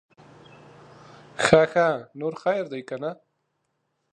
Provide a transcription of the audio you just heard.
ښه ښه, نور خير دے که نه؟